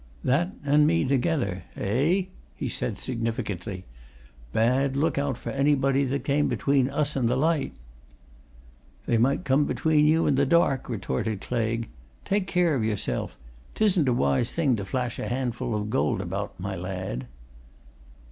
"That and me, together eh?" he said significantly. "Bad look out for anybody that came between us and the light." "They might come between you and the dark," retorted Claigue. "Take care of yourself! 'Tisn't a wise thing to flash a handful of gold about, my lad."